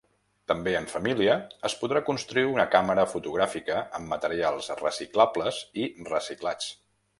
També en família es podrà construir una càmera fotogràfica amb materials reciclables i reciclats.